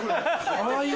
かわいい。